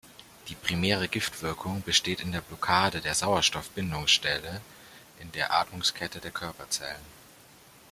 Die primäre Giftwirkung besteht in der Blockade der Sauerstoff-Bindungsstelle in der Atmungskette der Körperzellen.